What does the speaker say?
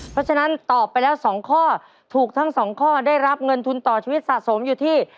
เพราะฉะนั้นตอบไปแล้ว๒ข้อถูกทั้งสองข้อได้รับเงินทุนต่อชีวิตสะสมอยู่ที่